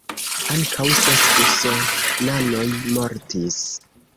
Ankaŭ ses usonanoj mortis.